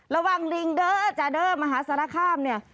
ระวังลิงเด้อจาเด้อมหาสารคามเนี่ย